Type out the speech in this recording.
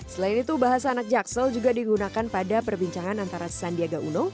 selain itu bahasa anak jaksel juga digunakan pada perbincangan antara sandiaga uno